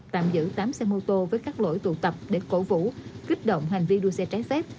tạm giữ tám xe mô tô với các lỗi tụ tập để cổ vũ kích động hành vi đua xe trái phép